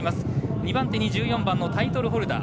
２番手、１４番タイトルホルダー。